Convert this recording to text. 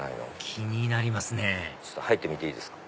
気になりますね入ってみていいですか？